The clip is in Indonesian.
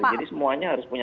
jadi semuanya harus punya